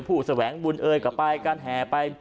ผู้แสวงบุญเอยกลับไปกันแห่ไป